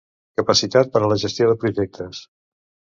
Capacitat per a la gestió de projectes.